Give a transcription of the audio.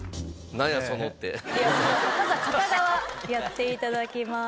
まずは片側やって頂きます。